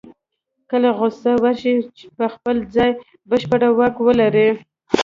کله غوسه ورشي په خپل ځان بشپړ واک ولري.